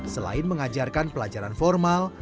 selain mengajarkan pelajaran formal